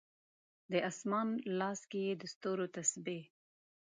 د اسمان لاس کې یې د ستورو تسبې